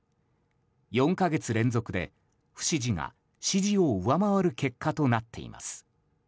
４か月連続で不支持が支持を上回る結果となっています。